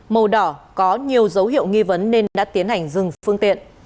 màu đỏ có nhiều dấu hiệu nghi vấn nên đã tiến hành dừng phương tiện